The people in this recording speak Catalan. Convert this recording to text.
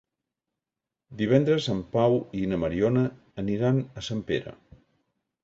Divendres en Pau i na Mariona aniran a Sempere.